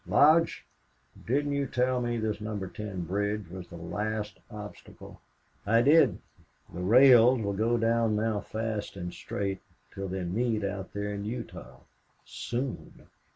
Lodge, didn't you tell me this Number Ten bridge was the last obstacle?" "I did. The rails will go down now fast and straight till they meet out there in Utah! Soon!"